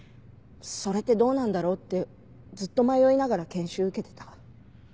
それってどうなんだろう？ってずっと迷いながら研修受けてた。